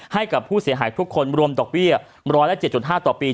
ให้กับผู้เสียหายทุกคนรวมต่อเบี้ยร้อยและเจ็ดจุดห้าต่อปี